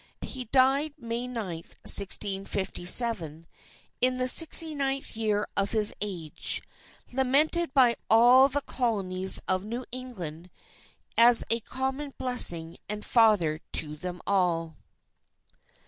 He died May 9th, 1657, in the 69th year of his age, lamented by all the Colonies of New England as a common Blessing and Father to them all."